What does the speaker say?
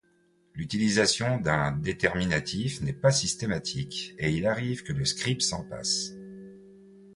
L'utilisation d'un déterminatif n'est pas systématique, et il arrive que le scribe s'en passe.